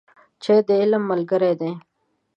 چای د علم ملګری دی